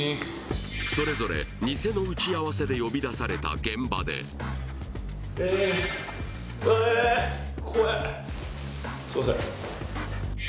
それぞれニセの打ち合わせで呼び出された現場でええ怖っ